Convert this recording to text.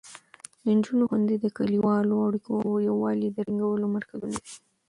د نجونو ښوونځي د کلیوالو اړیکو او یووالي د ټینګولو مرکزونه دي.